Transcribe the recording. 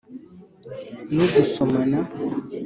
ni ugusomana.